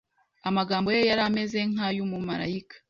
Amagambo ye yari ameze nkay'umumarayika.